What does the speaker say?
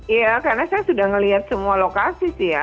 iya karena saya sudah melihat semua lokasi sih ya